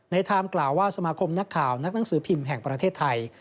ไทม์กล่าวว่าสมาคมนักข่าวนักหนังสือพิมพ์แห่งประเทศไทย